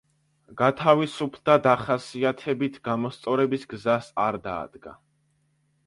გათავისუფლდა დახასიათებით „გამოსწორების გზას არ დაადგა“.